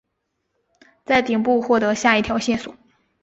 在顶部获得下一条线索。